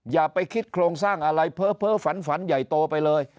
อย่าไปคิดโครงสร้างอะไรเพ้อฝันฝันใหญ่โตไปเลย